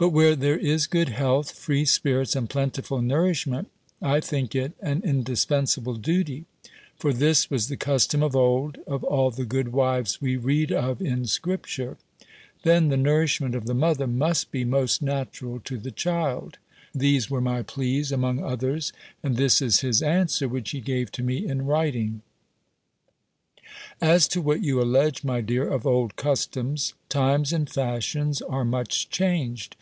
But where there is good health, free spirits, and plentiful nourishment, I think it an indispensable duty. For this was the custom of old, of all the good wives we read of in Scripture. Then the nourishment of the mother must be most natural to the child. These were my pleas, among others: and this is his answer which he gave to me in writing: "As to what you allege, my dear, of old customs; times and fashions are much changed.